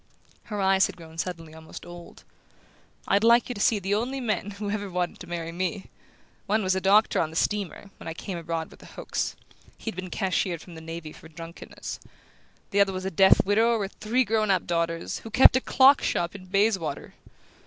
Her eyes had grown suddenly almost old. "I'd like you to see the only men who've ever wanted to marry me! One was the doctor on the steamer, when I came abroad with the Hokes: he'd been cashiered from the navy for drunkenness. The other was a deaf widower with three grown up daughters, who kept a clock shop in Bayswater!